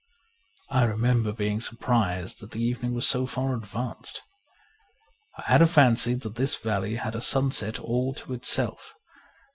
I remember being surprised that the evening was so far advanced ; I had a fancy that this valley had a sunset all to itself.